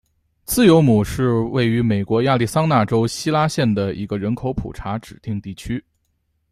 自由亩是位于美国亚利桑那州希拉县的一个人口普查指定地区。